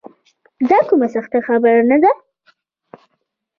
دا کومه سخته خبره نه ده.